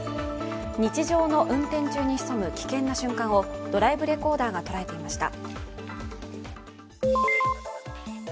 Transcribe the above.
日常の運転中に潜む危険な瞬間をドライブレコーダーが捉えていました。